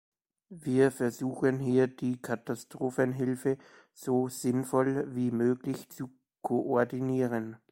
Wir versuchen hier, die Katastrophenhilfe so sinnvoll wie möglich zu koordinieren.